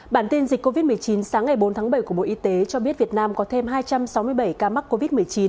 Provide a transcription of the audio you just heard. bản tin dịch covid một mươi chín sáng ngày bốn tháng bảy của bộ y tế cho biết việt nam có thêm hai trăm sáu mươi bảy ca mắc covid một mươi chín